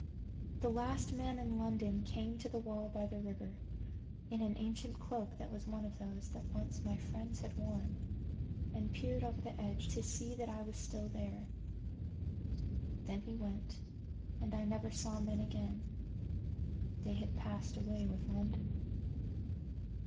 The last man in London came to the wall by the river, in an ancient cloak that was one of those that once my friends had worn, and peered over the edge to see that I still was there. Then he went, and I never saw men again: they had passed away with London.